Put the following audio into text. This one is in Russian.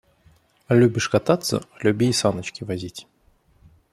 Любишь кататься, люби и саночки возить!